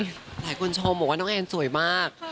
หลายคนชมบอกว่าน้องแอนสวยมาก